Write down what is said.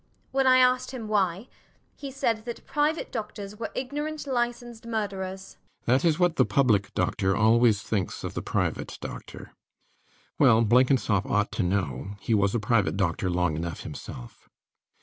When I asked him why, he said that private doctors were ignorant licensed murderers. RIDGEON. That is what the public doctor always thinks of the private doctor. Well, Blenkinsop ought to know. He was a private doctor long enough himself.